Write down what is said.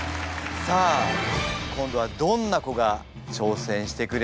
さあ今度はどんな子が挑戦してくれるんでしょうか。